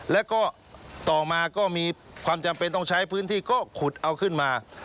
แล้วก็ต่อมาก็มีความจำเป็นต้องใช้พื้นที่ก็ขุดเอาขึ้นมา